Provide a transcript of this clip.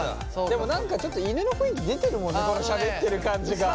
でも何かちょっと犬の雰囲気出てるもんねしゃべってる感じが。